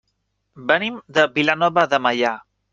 Venim de Vilanova de Meià.